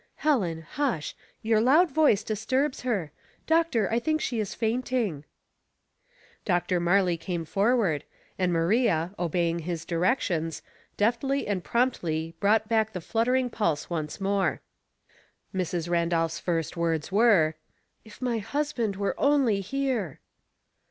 "Helen, hush; your loud voice disturbs her. Doctor, I think she is fainting." ^'What is the Difference?'' 81 Dr. Marley came forward, and Maria, obeying his directions, deftly and promptly brought back the fluttering pulse once more. Mrs. Randolph's first words were, — ''If my husband were onl^ here.'